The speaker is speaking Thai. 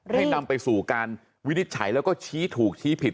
ให้นำไปสู่การวินิจฉัยแล้วก็ชี้ถูกชี้ผิด